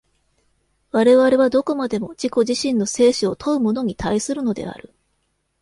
我々はどこまでも自己自身の生死を問うものに対するのである。